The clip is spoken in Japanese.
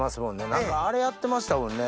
何かあれやってましたもんね